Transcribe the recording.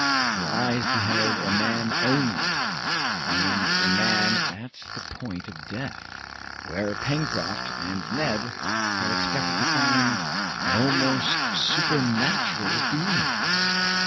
Their eyes beheld a man only, and a man at the point of death, where Pencroft and Neb had expected to find an almost supernatural being!